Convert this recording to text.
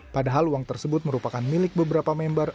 padahal uang tersebut merupakan milik beberapa member